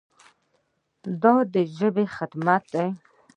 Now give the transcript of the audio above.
دا د ژبې خدمت دی.